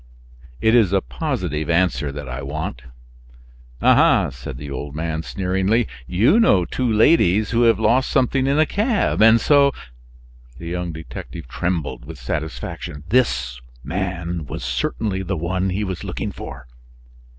"It is a positive answer that I want." "Aha!" said the old man sneeringly, "you know two ladies who have lost something in a cab, and so " The young detective trembled with satisfaction. This man was certainly the one he was looking for.